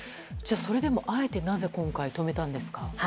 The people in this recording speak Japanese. それでもあえてなぜ今回止めたんですか。